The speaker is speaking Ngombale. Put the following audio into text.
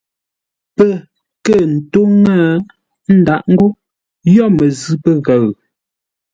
Pə́ kə̂ ntó ńŋə́, ə́ ndǎʼ ńgó yo məzʉ̂ pəghəʉ.